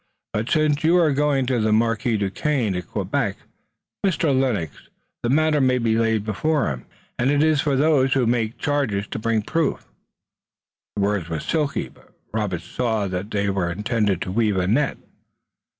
But since you are going to the Marquis Duquesne at Quebec, Mr. Lennox, the matter may be laid before him, and it is for those who make charges to bring proof." The words were silky, but Robert saw that they were intended to weave a net.